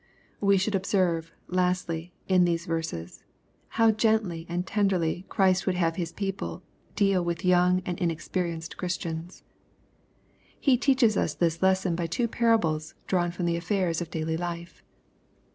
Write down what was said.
We should observe, lastly, in these verses, how gently and tenderly Christ would have His people deal with young and inexperienced Christians. He teaches us this lesson by two parables, drawn from the affairs of daily life.